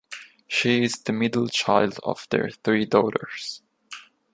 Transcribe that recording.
She is the middle child of their three daughters.